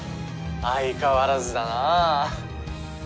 相変わらずだな。